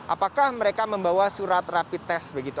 apakah mereka membawa surat rapid test begitu